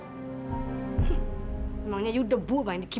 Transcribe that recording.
memangnya anda berguna dengan dia